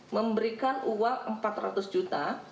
memberikan uang empat ratus juta